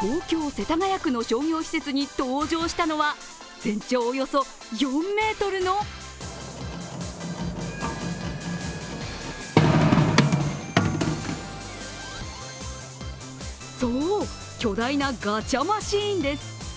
東京・世田谷区の商業施設に登場したのは全長およそ４ｍのそう、巨大なガチャマシーンです。